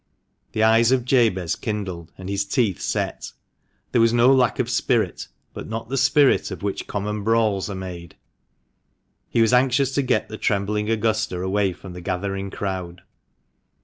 The eyes of Jabez kindled and his teeth set. There was no lack of spirit, but not the spirit of which common brawls are made. He was anxious to get the trembling Augusta away from the gathering crowd.